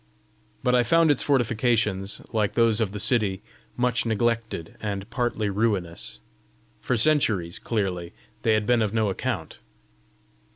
But I found its fortifications, like those of the city, much neglected, and partly ruinous. For centuries, clearly, they had been of no account!